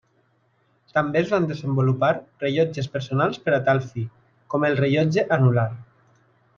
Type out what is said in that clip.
També es van desenvolupar rellotges personals per a tal fi, com el rellotge anular.